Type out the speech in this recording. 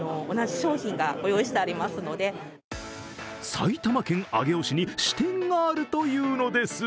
埼玉県上尾市に支店があるというのです。